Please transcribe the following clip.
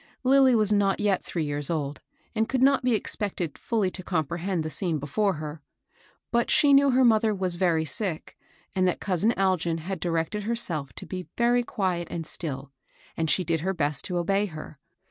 Lilly was not yet three years old, and could not be COUSIN ALGIN. 15 expected folly to comprehend the scene before her ; but she knew her mother was very sick, and that cousin Algin had directed herself to be very quiet and still ; and she did her best to obey her.